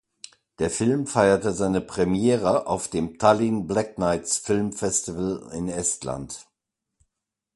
Der Film feierte seine Premiere auf dem Tallinn Black Nights Film Festival in Estland.